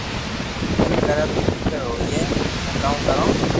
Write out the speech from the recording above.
ايم ڪري تو ڪيڪر ھوئئي ھمو ڪاو ڪرو